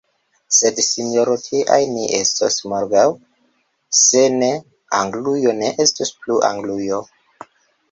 Sed, sinjoro, tiaj ni estos morgaŭ: se ne, Anglujo ne estus plu Anglujo!